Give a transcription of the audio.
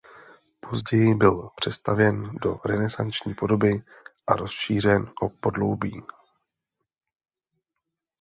Později byl přestavěn do renesanční podoby a rozšířen o podloubí.